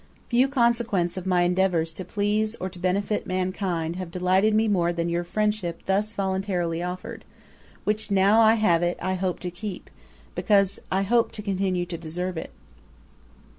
'Few consequences of my endeavours to please or to benefit mankind have delighted me more than your friendship thus voluntarily offered, which now I have it I hope to keep, because I hope to continue to deserve it.